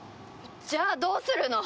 じゃあどうするの！？